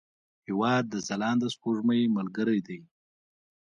هېواد د ځلانده سپوږمۍ ملګری دی.